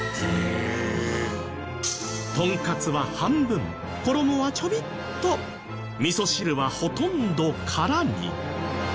とんかつは半分衣はちょびっとみそ汁はほとんど空に。